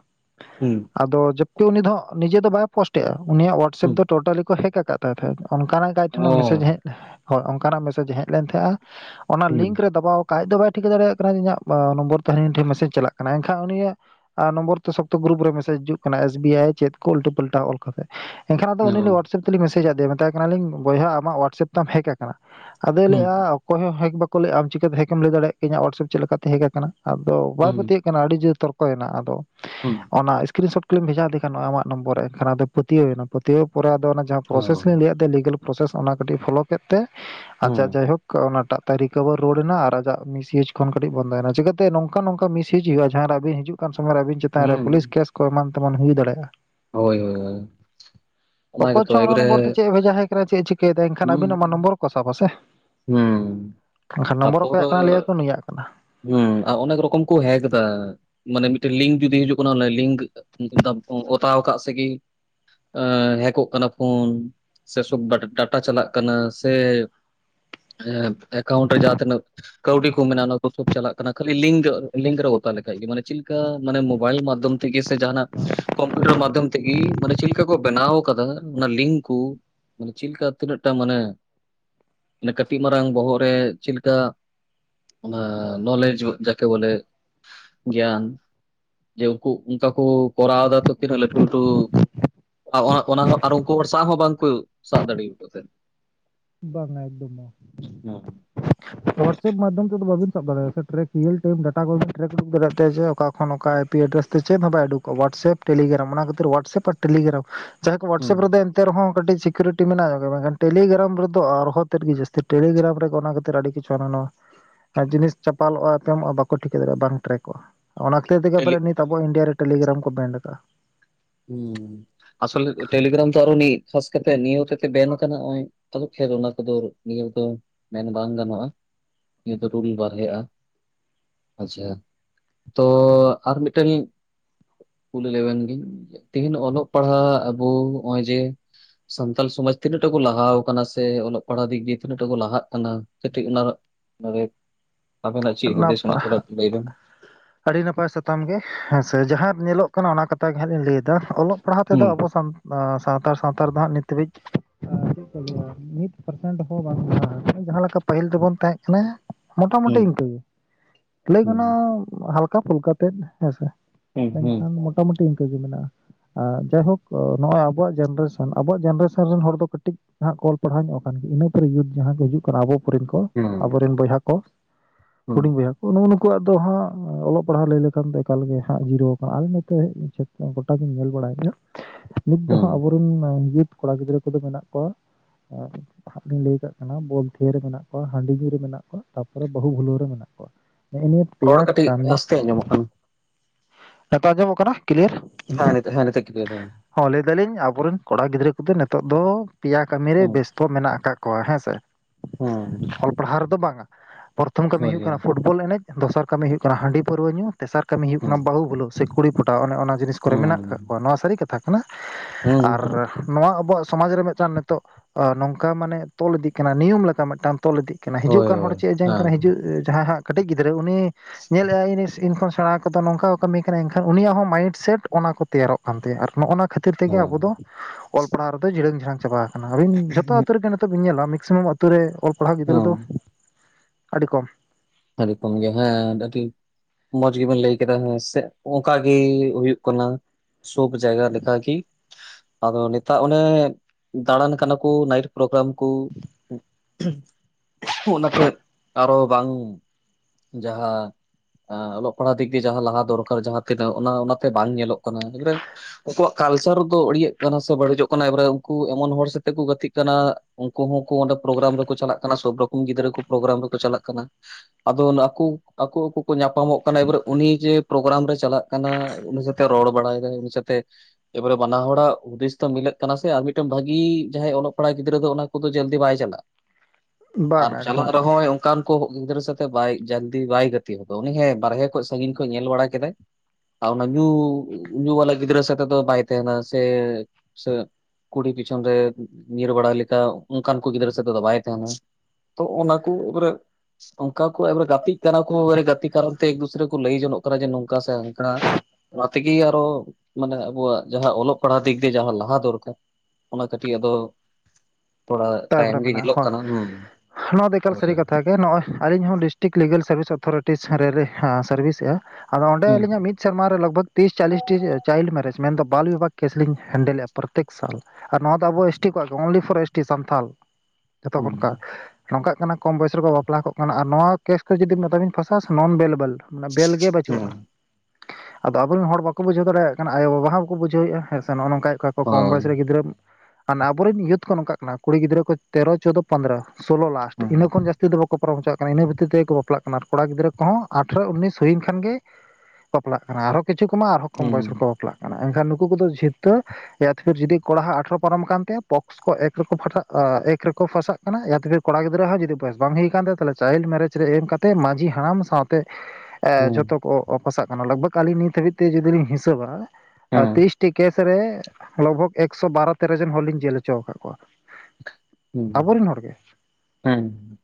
ᱦᱩᱸ ᱟᱫᱚ ᱩᱱᱤ ᱫᱚ ᱱᱤᱡᱮ ᱫᱚ ᱵᱟᱭ ᱯᱳᱥ ᱮᱼᱟ ᱩᱱᱤᱭᱟᱜ ᱦᱣᱟᱴᱥᱮᱯ ᱦᱩᱸ ᱫᱚ ᱴᱳᱴᱟᱞᱤ ᱠᱚ ᱦᱮᱠ ᱟᱠᱟᱫ ᱛᱟᱭ ᱛᱟᱦᱮᱸᱫ ᱚᱱᱠᱟᱱᱟᱜ ᱠᱟᱭ ᱚ ᱴᱷᱮᱱ ᱢᱮᱥᱡᱽ ᱦᱮᱡ ᱦᱳᱭ ᱚᱱᱠᱟᱱᱟᱜ ᱢᱮᱥᱡᱽ ᱦᱮᱡ ᱞᱮᱱ ᱛᱟᱦᱮᱸᱜᱼᱟ ᱚᱱᱟ ᱦᱩᱸ ᱞᱤᱝᱠ ᱨᱮ ᱫᱟᱵᱟᱣ ᱟᱡ ᱫᱚ ᱵᱟᱭ ᱴᱷᱤᱠᱟᱹ ᱫᱟᱲᱮᱭᱟᱜ ᱠᱟᱱᱟ ᱤᱧᱟᱹᱜ ᱱᱚᱢᱵᱚᱨ ᱛᱮᱤᱧ ᱴᱷᱮᱱ ᱢᱮᱥᱮᱡ ᱪᱟᱞᱟᱜ ᱠᱟᱱᱟ ᱮᱱᱠᱷᱟᱱ ᱩᱱᱟᱜ ᱱᱚᱢᱵᱚᱨ ᱥᱚᱠ ᱜᱨᱩᱯ ᱨᱮ ᱢᱮᱥᱮᱡᱽ ᱦᱤᱡᱩᱜ ᱠᱟᱱᱟ ᱮᱥ ᱵᱤ ᱟᱭ ᱪᱮᱫ ᱠᱚ ᱩᱞᱴᱟᱹ ᱯᱟᱞᱴᱟᱣ ᱚᱞ ᱠᱟᱛᱮ ᱮᱱᱠᱷᱟᱱ ᱟ ᱚ ᱩᱱᱤ ᱞᱳᱴᱮᱯ ᱛᱮᱞᱤᱧ ᱢᱮᱥᱮᱡᱟᱫᱮᱭᱟ ᱢᱮᱛ ᱠᱟᱱᱟᱞᱤᱧ ᱵᱚᱭᱟ ᱟᱟᱜ ᱦᱣᱟᱴᱥᱮᱯ ᱛᱟᱢ ᱦᱮᱠ ᱟᱠᱟᱱᱟ ᱦᱩᱸ ᱟᱫᱚᱭᱟᱹᱭᱼᱟ ᱚᱠᱚᱭ ᱦᱚᱸ ᱦᱮᱠ ᱵᱟᱠᱚ ᱞᱟᱹᱭᱼᱟ ᱟᱢ ᱪᱤᱠᱟᱹᱛᱮ ᱦᱮᱠ ᱮᱢ ᱞᱟᱹᱭ ᱫᱟᱲᱮᱭᱟᱜ ᱠᱤᱧᱟᱹᱜ ᱦᱣᱟᱴᱥᱮᱯ ᱪᱮᱫ ᱞᱮᱠᱟᱛᱮ ᱦᱮᱠ ᱟᱠᱟᱱᱟ ᱟᱫᱚ ᱵᱟᱭ ᱦᱩᱸ ᱯᱟᱹᱛᱭᱟᱹᱜ ᱠᱟᱱᱟ ᱟᱹᱰᱤ ᱡᱳᱨ ᱛᱚᱨᱠᱚᱚᱭᱮᱱᱟ ᱟᱫᱚ ᱦᱩᱸ ᱚᱱᱟ ᱥᱤᱥᱠᱨᱤᱱ ᱥᱚᱴ ᱞᱤᱢ ᱵᱷᱮᱡᱟ ᱠᱮᱫᱮᱟᱱᱜ ᱟᱟᱜ ᱱᱚᱢᱵ ᱮᱱᱠᱷ ᱟᱫᱚᱟᱹᱛᱭᱟᱹᱣᱱᱟ ᱯᱟᱹᱛᱟᱹᱣ ᱯᱮ ᱟᱫᱚ ᱚᱱᱟ ᱡᱟᱦᱟᱸ ᱚ ᱯᱨᱚᱥᱮᱥ ᱞᱤᱧ ᱞᱭᱟᱮᱭᱟ ᱞᱤᱜᱮᱞ ᱯᱨᱚᱥᱮᱥ ᱚᱱᱟ ᱠᱟᱹᱴᱤᱡ ᱯᱷᱚᱞᱳ ᱠᱮᱫ ᱛᱮ ᱟᱨ ᱦᱩᱸ ᱡᱟ ᱡᱟᱭᱦᱳᱠ ᱚᱱᱟ ᱴᱟᱜ ᱨᱤᱠᱟᱵᱚᱨ ᱨᱩᱣᱟᱹᱲ ᱮᱱᱟ ᱟᱨ ᱟᱡᱟᱜ ᱢᱤᱥᱦᱤᱭᱩᱡᱽ ᱠᱷᱚᱱ ᱠᱟᱹᱴᱤᱡ ᱵᱚᱱᱫᱚᱭᱮᱱᱟ ᱪᱤᱠᱟᱛᱮ ᱱᱚᱝᱠᱟ ᱱᱚᱝᱠᱟ ᱢᱤᱥᱦᱤᱭᱩᱡᱽ ᱦᱩᱭᱩᱜᱼᱟ ᱡᱟᱦᱟᱸ ᱨᱮ ᱟᱵᱤᱱ ᱦᱤᱡᱩᱜ ᱠᱟᱱ ᱥᱚᱢᱚᱭ ᱨᱮ ᱟᱵᱤᱱ ᱪᱮᱛᱟᱱ ᱨᱮ ᱦᱩᱸ ᱯᱩᱞᱤᱥ ᱠᱮᱥ ᱠᱚ ᱮᱢᱟᱱ ᱛᱮᱢᱟᱱ ᱦᱩᱭ ᱫᱟᱲᱮᱭᱟᱜᱼᱟ ᱦᱳᱭ ᱦᱳᱭᱳᱭ ᱚᱱᱟᱱᱟ ᱜᱮᱛ ᱟᱪᱷᱟ ᱚᱱᱟ ᱱᱚᱢᱵᱚᱨ ᱛᱮ ᱪᱮᱫ ᱮ ᱵᱷᱮᱡᱟᱟᱭ ᱠᱟᱱᱟ ᱪᱮᱫ ᱮ ᱪᱤᱠᱟᱹᱭ ᱫ ᱮᱱᱠᱷᱟᱱ ᱟᱵᱱᱟᱜ ᱚᱱᱟ ᱱᱚᱢᱵᱚᱨ ᱠᱚ ᱥᱟᱵᱟ ᱥᱮ ᱦᱮᱸ ᱮᱱᱠᱷᱟᱱ ᱱᱚᱢᱵᱚᱨ ᱛᱟᱯᱚᱨ ᱚᱠᱚᱭᱟᱜ ᱠᱟᱱᱟ ᱞᱟᱹᱭᱟᱠᱚ ᱱᱩᱭᱟᱜ ᱠᱟᱱᱟ ᱦᱸ ᱚᱱᱮᱠ ᱨᱚᱠᱚᱢ ᱠᱚ ᱦᱮᱸᱠ ᱮᱫᱟ ᱢᱟᱱᱮ ᱢᱤᱫᱴᱮᱱ ᱞᱤᱝᱠ ᱡᱚᱫᱤ ᱦᱤᱡᱩᱜ ᱠᱟᱱᱟ ᱞᱤᱝᱠ ᱚᱛᱟᱣ ᱥᱮᱜᱮ ᱥᱮᱤ ᱦᱮᱠᱚᱜ ᱠᱟᱱᱟ ᱯᱷᱳᱱ ᱥᱮ ᱰᱟᱴᱟ ᱪᱟᱞᱟᱜ ᱠᱟᱱᱟ ᱥᱮ ᱮᱠᱟᱩᱱᱴ ᱡᱟᱦᱟᱸ ᱛᱤᱱᱟᱹᱜ ᱠᱟᱣᱴᱤ ᱠᱩ ᱢᱮᱱᱟᱜ ᱪᱟᱞᱟᱜ ᱠᱟᱱᱟ ᱠᱷᱟᱞᱤᱝᱠ ᱨᱮ ᱚᱛᱟ ᱞᱮᱠᱷᱟᱡ ᱜᱮ ᱢᱟᱱᱮ ᱪᱮᱫ ᱞᱮᱠᱟ ᱢᱟᱱᱮ ᱢᱳᱵᱟᱭᱤᱞ ᱢᱟᱫᱽᱫᱷᱚᱢ ᱛᱮᱜᱮ ᱥᱮ ᱡᱟᱦᱟᱸᱱᱟᱜ ᱡᱟᱦᱟᱱᱟᱜ ᱠᱚᱢᱯᱤᱭᱩᱴᱟᱨ ᱢᱟᱫᱽᱫᱷᱚᱢ ᱛᱮᱜᱮ ᱢᱟᱱᱮ ᱪᱮᱫᱠᱟ ᱠᱚ ᱵᱮᱱᱟᱣ ᱟᱠᱟᱫᱟ ᱚᱱᱟ ᱞᱤᱝᱠ ᱠᱚ ᱪᱮᱫ ᱞᱮᱠᱟ ᱛᱤᱱᱟᱹᱜᱴᱟ ᱢᱟᱱᱮ [inaudible] ᱠᱟᱹᱴᱤᱡ ᱢᱟᱨᱟᱝ ᱵᱚᱦᱚᱜ ᱨᱮ ᱪᱮᱫ ᱞᱮᱠᱟ ᱚᱱᱟ ᱱᱚᱞᱮᱡᱽ ᱡᱟᱠᱮ ᱵᱚᱞᱮ ᱜᱮᱭᱟᱱ ᱡᱮ ᱩᱱᱠᱩ ᱚᱱᱠᱟ ᱠᱚ ᱠᱚᱨᱟᱣ ᱫᱟ ᱛᱚ ᱛᱤᱱᱟᱹᱜ ᱞᱟᱹᱴᱩ ᱞᱟᱹᱴᱩ ᱚᱱᱟᱦᱚᱸ ᱟᱨ ᱩᱱᱠᱩ ᱦᱚᱲ ᱥᱟᱵ ᱦᱚᱸ ᱵᱟᱝᱠᱚ ᱥᱟᱵ ᱫᱟᱲᱮᱠᱚ ᱛᱟᱦᱮᱸᱱ ᱵᱟᱝᱟ ᱮᱠᱫᱚᱢ ᱦᱚᱣᱟᱴᱥᱮᱯ ᱢᱟᱫᱽᱫᱷᱚᱢ ᱛᱮᱫᱚ ᱵᱟᱝᱵᱚᱱ ᱥᱟᱵ ᱫᱟᱲᱮᱼᱟ ᱥᱮ ᱴᱨᱮᱠ ᱨᱤᱭᱮᱞ ᱴᱤᱢ ᱰᱟ ᱠᱚ ᱴᱨᱮᱠ ᱩᱩ ᱫᱮᱭᱟᱜᱟ ᱡ ᱚᱠᱟ ᱠᱷᱚᱱᱠᱟ ᱟᱭ ᱯᱤ ᱮᱰᱨᱮᱥ ᱛᱮ ᱪᱮᱫ ᱦᱚᱸ ᱵᱟᱭᱰᱩᱠᱼᱟ ᱚᱣᱟᱥ ᱥᱮᱵ ᱴᱮᱞᱤᱜᱨᱟᱢ ᱚᱱᱟ ᱠᱷᱛᱤᱨ ᱣᱟᱴᱥᱮᱯ ᱟᱨ ᱴᱮᱞᱤᱜᱨᱟᱢ ᱡᱟᱦᱟᱸᱭ ᱠᱚ ᱦᱩᱸ ᱦᱣᱟᱴᱥᱮᱯ ᱨᱮᱫᱚ ᱮᱱᱛᱮ ᱨᱮᱦᱚ ᱸ ᱥᱤᱠᱩᱨᱤᱴᱤ ᱢᱮᱱᱟᱜ ᱟ ᱢᱮᱱᱠᱷᱟᱱ ᱴᱮᱞᱤᱜᱨᱟᱢ ᱨᱮᱫᱚ ᱟᱨᱦᱚᱸ ᱛᱮᱫ ᱜᱮ ᱡᱟᱹᱥᱛᱤ ᱴᱮᱞᱤᱜᱨᱟᱢ ᱨᱮᱜᱮ ᱚᱱᱟ ᱠᱷᱛᱤᱨ ᱟᱹᱰᱤ ᱠᱤᱪᱷᱩ ᱦᱟᱱᱟ ᱱᱟᱣᱟ ᱡᱤᱱᱤᱥ ᱪᱟᱯᱟᱞᱚᱜᱼᱟᱯᱮᱢᱚᱜᱼᱟ ᱵᱟᱠᱚ ᱴᱷᱤᱠᱟᱹ ᱫᱟᱲᱮᱭᱟᱜᱼᱟ ᱵᱟᱝ ᱴᱨᱮᱠᱚᱜᱼᱟ ᱚᱱᱟ ᱠᱷᱟᱹᱛᱤᱨ ᱴᱮᱞᱤ ᱛᱮᱜᱮᱮ ᱱᱤᱛ ᱟᱵᱚ ᱤᱱᱰᱤᱭᱟ ᱴᱮᱞᱤᱜᱨᱟᱢ ᱠᱚ ᱵᱮᱱᱴ ᱟᱠᱟᱫᱼᱟ ᱦᱩᱸ ᱟᱥᱚᱞᱮ ᱴᱮᱞᱤᱜᱨᱟᱢ ᱫᱚ ᱟᱨᱚ ᱱᱤᱭᱟᱹ ᱠᱷᱟᱥ ᱠᱟᱛᱮ ᱱᱤᱭᱟᱹᱚᱛ ᱛᱮ ᱵᱮᱱᱰ ᱠᱟᱱᱟ ᱱᱚᱜᱼᱚᱭ ᱟᱫᱚ ᱠᱷᱮᱛ ᱚᱱᱟ ᱠᱚᱫᱚ ᱱᱤᱭᱟᱹ ᱫᱚ ᱢᱮᱱ ᱵᱟᱝ ᱜᱟᱱᱚᱜᱼᱟ ᱱᱤᱭᱟᱹ ᱫᱚ ᱨᱩᱞ ᱵᱟᱨᱦᱮᱜᱼᱟ ᱟᱪᱪᱷᱟ ᱛᱚ ᱟᱨ ᱢᱤᱫᱴᱮᱱ ᱠᱩᱞᱤᱞᱮᱵᱷᱮᱱ ᱜᱤ ᱛᱮᱦᱤᱧ ᱚᱞᱚᱜ ᱯᱟᱲᱦᱟᱜ ᱟᱵᱚ ᱱᱚᱜᱼᱚᱭ ᱡᱮ ᱥᱟᱱᱛᱟᱞ ᱥᱚᱢᱟᱡᱽ ᱛᱤᱱᱟᱹᱜ ᱴᱟᱜ ᱠᱚ ᱞᱟᱦᱟᱣ ᱟᱠᱟᱱᱟ ᱥᱮ ᱚᱞᱚᱜ ᱯᱟᱲᱦᱟᱜ ᱫᱤᱠ ᱫᱤᱭᱮ ᱛᱤᱱᱟᱹᱜ ᱴᱟ ᱠᱚ ᱞᱟᱦᱟᱜ ᱠᱟᱱᱟ ᱠᱟᱹᱴᱤᱡ ᱚᱱᱟ ᱚᱱᱟ ᱜᱮ ᱟᱵᱮᱱᱟᱜ ᱪᱮᱫ ᱦᱩᱫᱤᱥ ᱱᱟᱯᱟ ᱟᱹᱰᱤ ᱱᱟᱯᱟᱭ ᱥᱟᱛᱟᱢ ᱜᱮ ᱦᱮᱸ ᱥᱮ ᱡᱟᱦᱟᱸ ᱧᱮᱞᱚᱜ ᱠᱟᱱᱟ ᱚᱱᱟ ᱠᱟᱛᱷᱟ ᱚᱱᱟ ᱠᱟᱛᱷᱟ ᱜᱮᱞᱤᱧ ᱞᱟᱹᱭ ᱮᱫᱟ ᱚᱞᱚᱜ ᱯᱟᱲᱦᱟᱣ ᱛᱮᱫᱚ ᱦᱩᱸ ᱟᱵᱚ ᱥᱟᱱ ᱥᱟᱱᱛᱟᱲ ᱥᱟᱶᱛᱟ ᱨᱮ ᱫᱚ ᱦᱟᱸᱜ ᱱᱤᱛ ᱦᱟᱹᱵᱤᱡ ᱪᱮᱫ ᱠᱚ ᱞᱟᱹᱭ ᱟ ᱢᱤᱫ ᱯᱟᱨᱥᱮᱱᱴ ᱦᱚᱸ ᱵᱟᱝ ᱢᱮᱱᱟᱜᱼᱟ ᱡᱟᱦᱟᱸ ᱞᱮᱠᱟ ᱯᱟᱹᱦᱤᱞ ᱡᱮᱢᱚᱱ ᱛᱟᱦᱮᱸ ᱠᱟᱱᱟ ᱢᱚᱴᱟᱟᱢᱩᱴᱤ ᱦᱩᱸ ᱤᱱᱠᱟᱹᱜᱮ ᱞᱟᱹᱭ ᱦᱩᱸ ᱜᱟᱱᱚᱜ ᱟ ᱦᱟᱞᱠᱟ ᱯᱩᱞᱠᱟ ᱛᱮᱫ ᱦᱮᱸᱥᱮ ᱦᱩᱸ ᱢᱮᱱᱠᱷᱟᱱ ᱦᱩᱸ ᱢᱳᱴᱟᱢᱩᱴᱤ ᱤᱱᱠᱟᱹ ᱜᱮ ᱢᱮᱱᱟᱜᱼᱟ ᱡᱟᱭᱦᱳᱠ ᱱᱚᱜ ᱟᱵᱚᱣᱟᱜ ᱡᱱᱨᱮᱥᱚᱱ ᱟᱵᱚᱣᱟᱜ ᱡᱱᱨᱮᱥᱚᱱ ᱨᱮᱱ ᱦᱚᱲ ᱫᱚ ᱠᱟᱹᱴᱤᱡ ᱦᱟᱝ ᱠᱚ ᱚᱞ ᱯᱟᱲᱦᱟᱣ ᱧᱚᱜ ᱠᱟᱱᱟ᱾ ᱤᱱᱟᱹ ᱯᱚᱨᱮ ᱭᱩᱛ ᱡᱟᱦᱟᱸ ᱠᱚ ᱦᱤᱡᱩᱜ ᱠᱟᱱᱟ ᱟᱵᱚ ᱠᱚᱨᱮᱱ ᱠᱚ ᱦᱩᱸ ᱟᱵᱚᱨᱮᱱ ᱵᱚᱭᱦᱟ ᱠᱚ᱾ ᱦᱩᱸ ᱦᱩᱰᱤᱧ ᱜᱮᱭᱟ ᱠᱚ ᱱᱩᱩᱱᱩᱠᱩ ᱩᱱᱚᱣᱟᱜ ᱫᱚ ᱦᱟᱸᱜ ᱚᱞᱚᱜ ᱯᱟᱲᱦᱟᱣ ᱞᱟᱹᱭ ᱞᱮᱠᱷᱟᱱ ᱫᱚ ᱮᱠᱟᱞᱜᱮ ᱦᱟᱸᱜ ᱡᱤᱨᱚ ᱟᱠᱟᱱᱟ ᱟᱞᱮ ᱱᱚᱛᱮ ᱜᱚᱴᱟᱜᱮᱧ ᱧᱮᱞ ᱵᱟᱲᱟ ᱠᱮᱫᱟ᱾ ᱱᱤᱛ ᱫᱚ ᱦᱩᱸ ᱦᱟᱸᱜ ᱟᱵᱚᱨᱮᱱ ᱭᱩᱛ ᱠᱚᱲᱟ ᱜᱤᱫᱽᱨᱟᱹ ᱠᱚᱫᱚ ᱢᱮᱱᱟᱜ ᱠᱚᱣᱟ ᱦᱟᱸᱜ ᱞᱤᱧ ᱞᱟᱹᱭ ᱠᱟᱜ ᱠᱟᱱᱟ ᱵᱚᱞ ᱛᱷᱤᱭᱟᱹ ᱨᱮ ᱢᱮᱱᱟᱜ ᱠᱚᱣᱟ ᱦᱟᱺᱰᱤ ᱧᱩ ᱨᱮ ᱢᱮᱱᱟᱜ ᱠᱚᱣᱟ ᱛᱟᱯᱚᱨᱮ ᱵᱟᱹᱦᱩ ᱵᱷᱩᱞᱳ ᱨᱮ ᱢᱮᱱᱟᱜ ᱠᱚᱣᱟ᱾ ᱱᱮᱜᱼ ᱱᱤᱭᱟᱹ ᱨᱚᱲ ᱯᱮᱭᱟ ᱠᱟᱹᱴᱤᱡ ᱠᱟᱹᱡᱤ ᱟᱥᱛᱮ ᱟᱸᱡᱚᱢᱚᱜ ᱠᱟᱱᱟ ᱱᱤᱛᱚᱜ ᱟᱸᱡᱚᱢᱚᱜ ᱠᱟᱱᱟ᱾ ᱠᱞᱤᱭᱟᱨ ᱦᱮᱸ ᱱᱤᱛᱚᱜ ᱦᱮᱸ ᱱᱤᱛᱚᱜ ᱠᱞᱤᱭᱟᱨ ᱦᱮᱸ ᱦᱚᱸ ᱞᱟᱹᱭᱫᱟᱞᱤᱧ ᱟᱵᱚᱨᱮᱱ ᱠᱚᱲᱟ ᱜᱤᱫᱽᱨᱟᱹ ᱠᱚᱫᱚ ᱱᱤᱛᱚᱜ ᱫᱚ ᱯᱮᱭᱟ ᱠᱟᱹᱢᱤ ᱨᱮ ᱦᱩᱸ ᱵᱮᱥᱛᱚ ᱢᱮᱱᱟᱜ ᱟᱠᱟᱫ ᱠᱚᱣᱟ ᱦᱮᱸᱥᱮ ᱦᱩᱸ ᱚᱞ ᱯᱟᱲᱦᱟᱣ ᱨᱮᱫᱚ ᱵᱟᱝ-ᱟ ᱯᱨᱚᱛᱷᱚᱢ ᱠᱟᱹᱢᱤ ᱦᱳᱭ ᱦᱩᱭᱩᱜ ᱦᱳᱭ ᱠᱟᱱᱟ ᱯᱷᱩᱴᱵᱚᱞ ᱮᱱᱮᱡ ᱫᱚᱥᱟᱨ ᱠᱟᱹᱢᱤ ᱦᱩᱭᱩᱜ ᱠᱟᱱᱟ ᱦᱟᱺᱰᱤ ᱯᱟᱹᱨᱣᱟᱹ ᱧᱩ ᱛᱮᱥᱟᱨ ᱠᱟᱹᱢᱤ ᱦᱩᱭᱩᱜ ᱦᱩᱸ ᱠᱟᱱᱟ ᱵᱟᱹᱦᱩ ᱵᱷᱩᱞᱟᱹᱣ ᱥᱮ ᱠᱩᱲᱤ ᱯᱚᱴᱟᱣ ᱱᱼᱚ ᱱᱚᱣᱟ ᱡᱤᱱᱤᱥ ᱠᱚᱨᱮ ᱢᱮᱱᱟᱜ ᱟᱠᱟᱫ ᱦᱩᱸ ᱠᱚᱣᱟ ᱱᱚᱣᱟ ᱥᱟᱹᱨᱤ ᱠᱟᱛᱷᱟ ᱠᱟᱱᱟ᱾ ᱟᱨ ᱦᱩᱸ ᱱᱚᱣᱟ ᱟᱵᱚᱣᱟᱜ ᱥᱚᱢᱟᱡ ᱨᱮ ᱢᱤᱫᱴᱟᱝ ᱱᱤᱛᱚᱜ ᱱᱚᱝᱠᱟ ᱢᱟᱱᱮ ᱛᱚᱞ ᱤᱫᱤᱜ ᱠᱟᱱᱟ ᱱᱤᱭᱚᱢ ᱞᱮᱠᱟ ᱢᱤᱫᱴᱟᱝ ᱛᱚᱞ ᱤᱫᱤᱜ ᱠᱟᱱᱟ ᱦᱤᱡᱩᱜ ᱦᱳᱭ ᱠᱟᱱ ᱦᱚᱲ ᱦᱳᱭ ᱪᱮᱫ ᱮ ᱡᱟᱝ ᱠᱟᱱᱟ ᱦᱮᱸ ᱦᱤᱡᱩᱜ ᱡᱟᱦᱟᱸᱭ ᱦᱟᱸᱜ ᱠᱟᱹᱴᱤᱡ ᱜᱤᱫᱽᱨᱟᱹ ᱩᱱᱤ ᱧᱮᱞᱮᱫ ᱟᱭ ᱤᱧ ᱠᱷᱚᱱ ᱥᱮᱬᱟ ᱠᱚᱫᱚ ᱱᱚᱝᱠᱟ ᱠᱚ ᱠᱟᱹᱢᱤ ᱠᱟᱱᱟ ᱮᱱᱠᱷᱟᱱ ᱩᱱᱤᱭᱟᱜ ᱦᱚᱸ ᱢᱟᱭᱤᱰ ᱥᱮᱴ ᱚᱱᱟ ᱠᱚ ᱛᱮᱭᱟᱨᱚᱜ ᱠᱟᱱ ᱛᱟᱭᱟ ᱟᱨ ᱱᱚᱜᱼᱚ ᱱᱚᱣᱟ ᱠᱷᱟᱹᱛᱤᱨ ᱛᱮᱜᱮ ᱦᱳᱭ ᱟᱵᱚ ᱫᱚ ᱚᱞ ᱯᱟᱲᱦᱟᱣ ᱨᱮᱫᱚ ᱡᱷᱲᱟᱝ ᱡᱷᱮᱲᱟᱝ ᱪᱟᱵᱟ ᱟᱠᱟᱱᱟ ᱟᱵᱤᱱ ᱡᱚᱛᱚ ᱟᱛᱳ ᱨᱮᱜᱮ ᱱᱤᱛᱚᱜ ᱵᱤᱱ ᱧᱮᱞᱟ ᱢᱮᱠᱥᱤᱢᱟᱢ ᱟᱛᱳ ᱨᱮ ᱚᱞ ᱯᱟᱲᱦᱟᱣ ᱜᱤᱫᱽᱨᱟᱹ ᱫᱚ ᱦᱩᱸ ᱟᱹᱰᱤ ᱠᱚᱢ ᱦ ᱟ. ᱰᱤ ᱠᱚᱢ [unintelligible] ᱢᱚᱸᱡᱽ ᱜᱮᱵᱮᱱ ᱞᱟᱹᱭ ᱠᱮᱫᱟ ᱦᱮᱸ ᱚᱱᱠᱟᱜᱮ ᱦᱩᱭᱩᱜ ᱠᱟᱱᱟ ᱥᱩᱯ ᱡᱟᱭᱜᱟ ᱞᱮᱠᱟ ᱜᱮ ᱟᱫᱚ ᱱᱮᱛᱟᱨ ᱚᱱᱮ ᱫᱟᱬᱟᱱ ᱠᱟᱱᱟ ᱠᱚ ᱱᱟᱭᱤᱴ ᱯᱨᱳᱜᱨᱟᱢ ᱠᱚ ᱚᱱᱟᱛᱮ ᱟᱨᱚ ᱵᱟᱝ ᱡᱟᱦᱟᱸ ᱚᱞᱚᱜ ᱯᱟᱲᱦᱟᱜ ᱫᱤᱠ ᱫᱮ ᱡᱟᱦᱟᱸ ᱞᱟᱦᱟ ᱫᱚᱨᱠᱟᱨ ᱡᱟᱦᱟᱸ ᱛᱤᱱᱟᱹᱜ ᱚᱱᱟᱛᱮ ᱵᱟᱝ ᱧᱮᱞᱚᱜ ᱠᱟᱱᱟ ᱩᱱᱠᱩᱣᱟᱜ ᱠᱟᱛᱷᱟ ᱠᱟᱞᱪᱟᱨ ᱫᱚ ᱟᱹᱲᱤᱭᱟᱹᱜ ᱠᱟᱱᱟ ᱥᱮ ᱵᱲᱤᱡᱚᱜ ᱠᱟᱱᱟ ᱮᱵᱟᱨᱮ ᱩᱱᱠᱩ ᱮᱢᱚᱱ ᱦᱚᱲ ᱥᱟᱛᱮ ᱠᱚ ᱜᱟᱛᱮᱜ ᱠᱟᱱᱟ ᱩᱱᱠᱩ ᱦᱚᱸᱠᱚ ᱚᱸᱰᱮ ᱯᱨᱳᱜᱨᱟᱢ ᱨᱮᱠᱚ ᱪᱟᱞᱟᱜ ᱠᱟᱱᱟ ᱥᱚᱵ ᱨᱚᱠᱚᱢ ᱜᱤᱫᱽᱨᱟᱹ ᱠᱚ ᱯᱨᱳᱜᱨᱟᱢ ᱨᱮᱠᱚ ᱪᱟᱞᱟᱜ ᱠᱟᱱᱟ ᱟᱫᱚ ᱟᱠᱚ ᱟᱠᱚ ᱟᱠᱚ ᱠᱚ ᱧᱟᱯᱟᱢᱚᱜ ᱠᱟᱱᱟ ᱩᱱᱤ ᱡᱮ ᱯᱨᱳᱜᱨᱟᱢ ᱨᱮ ᱪᱟᱞᱟᱜ ᱠᱟᱱᱟ ᱩᱱᱤ ᱥᱟᱛᱮ ᱨᱚᱲ ᱨᱚᱲ ᱵᱟᱲᱟᱭ ᱩᱱᱤ ᱥᱟᱛᱮ ᱮᱵᱟᱨᱮ ᱵᱟᱱᱟ ᱦᱚᱲᱟᱜ ᱦᱩᱫᱤᱥ ᱫᱚ ᱢᱤᱞᱟᱹᱜ ᱠᱟᱱᱟ ᱥᱮ ᱟᱨ ᱢᱤᱫᱴᱟᱝ ᱵᱷᱟᱜᱤ ᱚᱞᱚᱜ ᱯᱟᱲᱦᱟᱣ ᱜᱤᱫᱽᱨᱟᱹ ᱫᱚ ᱚᱱᱟ ᱠᱚᱫᱚ ᱡᱚᱞᱫᱤ ᱵᱟᱭ ᱪᱟᱞᱟᱜᱼᱟ ᱟᱨ ᱵᱟᱝᱟ ᱮᱠᱫᱚᱢ ᱪᱟᱞᱟᱜ ᱨᱮᱦᱚᱸ ᱚᱱᱠᱟᱱ ᱠᱚ ᱡᱚᱞᱫᱤ ᱵᱟᱭ ᱜᱟᱛᱮ ᱦᱚᱚᱫ ᱩᱱᱤ ᱦᱮᱸ ᱵᱟᱨᱦᱮ ᱠᱷᱚᱱᱚᱡ ᱥᱟᱺᱜᱤᱧ ᱠᱷᱚᱱ ᱧᱮᱞ ᱵᱟᱲᱟ ᱠᱮᱫᱟᱭ᱾ ᱦ ᱧᱩ ᱧᱩ ᱵᱟᱞᱟ ᱜᱤᱫᱽᱨᱟᱹ ᱥᱟᱛᱮ ᱫᱚ ᱵᱟᱭ ᱛᱟᱦᱮᱱᱟ ᱥᱮ ᱥᱮ ᱠᱩᱲᱤ ᱯᱤᱪᱷᱚᱱ ᱨᱮ ᱧᱤᱨ ᱵᱟᱲᱟ ᱞᱮᱠᱟ ᱚᱱᱠᱟᱱ ᱠᱚ ᱜᱤᱫᱽᱨᱟᱹ ᱥᱟᱛᱮ ᱫᱚ ᱵᱟᱭ ᱛᱟᱦᱮᱱᱟ᱾ ᱛᱚ ᱚᱱᱟ ᱠᱩ [unintelligible] ᱚᱱᱠᱟ ᱠᱚ ᱮᱵᱟᱨᱮ ᱜᱟᱛᱮᱜ ᱠᱟᱱᱟ ᱠᱚ ᱜᱟᱛᱮ ᱠᱟᱨᱚᱱ ᱛᱮ ᱮᱠ ᱫᱩᱥᱨᱮ ᱠᱚ ᱞᱟᱹᱭ ᱡᱚᱱᱚᱜ ᱠᱟᱱᱟ ᱡᱮ ᱱᱚᱝᱠᱟ ᱥᱮ ᱚᱱᱠᱟ᱾ ᱚᱱᱟ ᱛᱮᱜᱮ ᱟᱨᱚ ᱢᱟᱱᱮ ᱟᱵᱚᱣᱟᱜ ᱡᱟᱦᱟᱸ ᱚᱞᱚᱜ ᱯᱟᱲᱦᱟᱜ ᱫᱤᱠ ᱫᱤᱭᱮ ᱡᱟᱦᱟᱸ ᱞᱟᱦᱟ ᱫᱚᱨᱠᱟᱨ ᱚᱱᱟ ᱠᱟᱹᱴᱤᱡ ᱟᱫᱚ ᱛᱷᱚᱲᱟ ᱛᱟᱭᱚᱢ ᱨᱮ ᱜᱮ ᱢᱮᱱᱟᱜᱼᱟ ᱧᱮᱞᱚᱜ ᱦᱳᱭ ᱠᱟᱱᱟ ᱦᱩᱸ ᱱᱚᱣᱟ ᱫᱚ ᱮᱠᱟᱞ ᱥᱟᱹᱨᱤ ᱠᱟᱛᱷᱟ ᱜᱮ ᱱᱚᱜᱼᱚᱭ ᱟᱹᱞᱤᱧ ᱦᱚᱸ ᱰᱤᱥᱴᱤᱠ ᱞᱤᱜᱟᱞ ᱥᱟᱨᱵᱷᱤᱥ ᱚᱛᱷᱚᱨᱤᱴᱤᱡ ᱨᱮᱞᱤ ᱥᱟᱨᱵᱷᱤᱥ ᱮᱼᱟ᱾ ᱟᱫᱚ ᱚᱸᱰᱮ ᱦᱩᱸ ᱟᱞᱤᱧᱟᱜ ᱢᱤᱫ ᱥᱮᱨᱢᱟ ᱨᱮ ᱞᱚᱜᱽ ᱵᱷᱟᱜᱽ ᱛᱤᱨᱤᱥ ᱪᱟᱞᱞᱤᱥᱴᱤ ᱪᱟᱭᱤᱞᱰ ᱢᱮᱨᱮᱡᱽ ᱢᱮᱱᱫᱚ ᱵᱟᱞᱤ ᱵᱤᱵᱷᱟᱜᱽ ᱠᱮᱥ ᱞᱤᱧ ᱦᱮᱱᱰᱮᱞᱮᱫᱼᱟ ᱯᱨᱚᱛᱛᱮᱠ ᱥᱟᱞ ᱟᱨ ᱱᱚᱣᱟ ᱫᱚ ᱟᱵᱚ ᱮᱥ ᱴᱤ ᱠᱚᱣᱟᱜ ᱜᱮ ᱚᱱᱞᱤ ᱯᱷᱚᱨ ᱮᱥ ᱴᱤ ᱥᱟᱱ ᱛᱷᱟᱞ ᱡᱚᱛᱚ ᱠᱷᱚ ᱦᱩᱸ ᱚᱱᱠᱟ ᱱᱚᱝᱠᱟᱜ ᱠᱟᱱᱟ ᱠᱚᱢ ᱵᱚᱭᱮᱥ ᱨᱮᱠᱚ ᱵᱟᱯᱞᱟ ᱠᱚᱜ ᱠᱟᱱᱟ ᱟᱨ ᱱᱚᱣᱟ ᱠᱮᱥ ᱠᱚ ᱡᱩᱫᱤ ᱢᱮᱛᱟᱵᱤᱱ ᱯᱷᱟᱥᱟ ᱥᱮ ᱱᱚᱱ ᱮᱵᱮᱞᱮᱵᱮᱞ ᱢᱟᱱᱮ ᱵᱮᱞ ᱜᱮ ᱵᱟᱹᱪᱩᱜ ᱟᱱᱟ᱾ ᱦᱩᱸ ᱟᱫᱚ ᱟᱵᱚᱨᱮᱱ ᱦᱚᱲ ᱵᱟᱠᱚ ᱵᱩᱡᱷᱟᱹᱣ ᱫᱟᱲᱮᱭᱟᱜ ᱠᱟᱱᱟ ᱟᱭᱳ ᱵᱟᱵᱟ ᱦᱚᱸ ᱵᱟᱠᱚ ᱵᱩᱡᱷᱟᱹᱣᱮᱫᱼᱟ ᱦᱮᱸ ᱥᱮ ᱱᱚᱜᱼᱚ ᱱᱚᱝ ᱱᱚᱝᱠᱟᱭᱮᱫ ᱠᱚᱣᱟ ᱠᱚ ᱠᱚᱢ ᱵᱚᱭᱮᱥ ᱨᱮ ᱜᱤᱫᱽᱨᱟᱹ ᱟᱵᱚᱨᱮᱱ ᱭᱩᱛ ᱠᱚ ᱱᱚᱝᱠᱟᱜ ᱠᱟᱱᱟ ᱠᱩᱲᱤ ᱜᱤᱫᱽᱨᱟᱹ ᱠᱚ ᱛᱮᱨᱚ ᱪᱳᱫᱚ ᱯᱚᱱᱫᱨᱚ ᱥᱳᱞᱳ ᱞᱟᱥᱴ ᱤᱱᱟᱹ ᱠᱷᱚᱱ ᱡᱟᱹᱥᱛᱤ ᱫᱚ ᱵᱟᱠᱚ ᱯᱟᱨᱚᱢ ᱦᱚᱪᱚᱣᱟᱜ ᱠᱟᱱᱟ ᱤᱱᱟᱹ ᱵᱷᱤᱛᱤᱨ ᱛᱮᱜᱠᱚ ᱵᱟᱯᱞᱟᱜ ᱠᱟᱱᱟ ᱟᱨ ᱠᱚᱲᱟ ᱜᱤᱫᱽᱨᱟᱹ ᱠᱚᱦᱚᱸ ᱟᱴᱷᱨᱚ ᱩᱱᱤᱥ ᱦᱩᱭᱮᱱ ᱠᱷᱟᱱ ᱜᱮ ᱵᱟᱯᱞᱟᱜ ᱠᱟᱱᱟ ᱟᱨᱦᱚᱸ ᱠᱤᱪᱷᱩ ᱠᱚᱢᱟ ᱟᱨᱦᱚᱸ ᱠᱚᱢ ᱵᱚᱭᱮᱥ ᱨᱮᱠᱚ ᱵᱟᱯᱞᱟᱜ ᱠᱟᱱᱟ᱾ ᱮᱱᱠᱷᱟᱱ ᱱᱩᱠᱩ ᱠᱚᱫᱚ ᱡᱷᱤᱛᱟᱹ ᱭᱟᱛ ᱯᱩᱨ ᱡᱩᱫᱤ ᱠᱚᱲᱟᱦ ᱟᱴᱷᱨᱚ ᱯᱟᱨᱚᱢ ᱠᱟᱱᱟᱱ ᱛᱟᱭᱟ ᱯᱚᱠᱥ ᱠᱚ ᱮᱠ ᱨ ᱷᱟᱴᱟᱜ ᱮᱠ ᱨᱮᱠᱚ ᱯᱷᱟᱥᱟᱜ ᱠᱟᱱᱟ ᱛᱮᱜᱤ ᱠᱚᱲᱟ ᱜᱤᱫᱽᱨᱟᱹ ᱦᱚᱸ ᱡᱩᱫᱤ ᱵᱚᱭᱮᱥ ᱵᱟᱝ ᱦᱩᱭᱠᱟᱱ ᱛᱟᱭᱟ ᱛᱟᱦᱚᱞᱮ ᱪᱟᱭᱤᱞᱰ ᱢᱮᱨᱮᱡᱽ ᱨᱮ ᱮᱢ ᱠᱟᱛᱮ ᱢᱺᱡᱷᱤ ᱦᱟᱲᱟᱢ ᱥᱟᱶᱛᱮ ᱮ ᱡᱷᱚᱛᱚ ᱠᱚ ᱯᱚᱥᱟᱜ ᱠᱟᱱᱟ ᱞᱟᱜ ᱵᱷᱟᱜᱽ ᱟᱹᱞᱤᱧ ᱱᱤᱛ ᱦᱟᱹᱵᱤᱡ ᱛᱮ ᱡᱚᱫᱤ ᱞᱤᱧ ᱦᱤᱥᱟᱹᱵᱽᱼᱟ ᱟᱨ ᱛᱤᱨᱤᱥᱴᱤ ᱠᱮᱥ ᱨᱮ ᱞᱚᱜ ᱵᱷᱟᱜᱽ ᱮᱠᱥᱚ ᱵᱟᱨᱚ ᱛᱮᱨᱚ ᱡᱚᱱ ᱦᱚᱲᱞᱤᱧ ᱡᱮᱞ ᱦᱚᱪᱚ ᱟᱠᱟᱫ ᱠᱚᱣᱟ ᱦᱩᱸ ᱟᱵᱚᱨᱮᱱ ᱦᱚᱲ ᱜᱮ ᱦᱮᱧᱸ